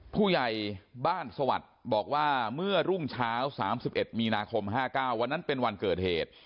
ผู้ใหญ่บ้านสวัสดิ์บอกว่าเมื่อรุ่งเช้า๓๑มีนาคม๕๙วันนั้นเป็นวันเกิดเหตุ